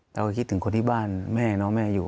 เราคิดถึงคนที่บ้านแม่น้องแม่อยู่